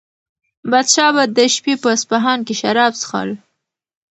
پادشاه به د شپې په اصفهان کې شراب څښل.